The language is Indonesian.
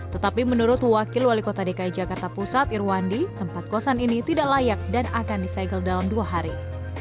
tetapi menurut wakil wali kota dki jakarta pusat irwandi tempat kosan ini tidak layak dan akan disegel dalam dua hari